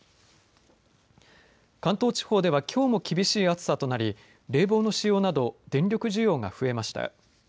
関東地方ではきょうも厳しい暑さとなり冷房の使用など電力需要が増えました。